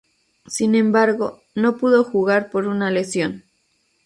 Sin embargo, no pudo jugar por una lesión.